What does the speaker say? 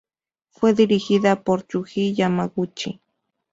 Fue dirigida por Yuji Yamaguchi.